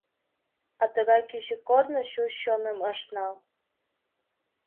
А тыгай кӱчык корно чуч чоным ыш нал!